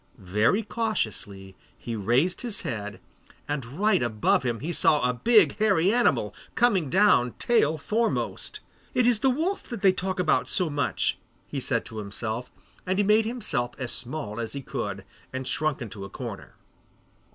Very cautiously he raised his head, and right above him he saw a big hairy animal, coming down tail foremost. 'It is the wolf that they talk so much about,' he said to himself, and he made himself as small as he could and shrunk into a corner.